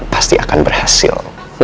pasti akan berhasil